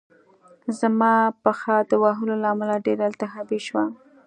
زما پښه د وهلو له امله ډېره التهابي شوه